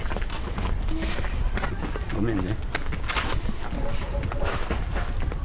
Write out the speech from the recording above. ごめんね。